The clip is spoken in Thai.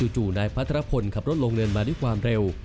จู่นายพัทรพลขับรถลงเนินมาด้วยความเร็ว